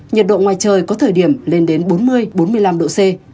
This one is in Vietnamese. nhiệt độ ngoài trời có thời điểm lên đến bốn mươi bốn mươi năm độ c